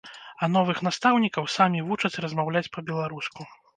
А новых настаўнікаў самі вучаць размаўляць па-беларуску.